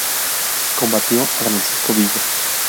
Combatió a Francisco Villa.